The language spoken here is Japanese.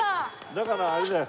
だからあれだよ。